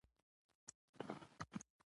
سالمه تغذیه د ټولنې پرمختګ تضمینوي.